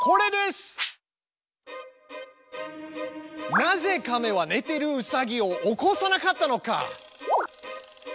なぜかめはねてるうさぎを起こさなかったのか。